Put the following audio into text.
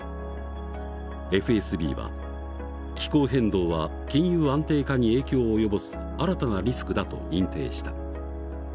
ＦＳＢは「気候変動は金融安定化に影響を及ぼす新たなリスク」だと認定した。